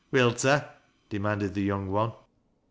" Wilt ta ?" demanded the young one.